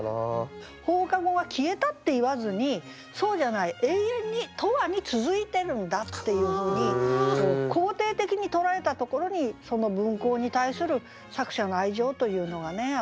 放課後が消えたって言わずにそうじゃない永遠に永遠に続いてるんだっていうふうに肯定的に捉えたところにその分校に対する作者の愛情というのがあふれてますよね。